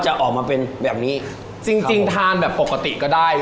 จะออกมาเป็นแบบนี้